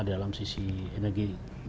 dalam sisi energi